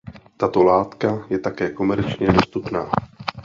Tato látka je také komerčně dostupná.